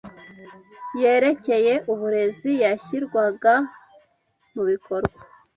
yerekeye uburezi yashyirwaga mu bikorwa,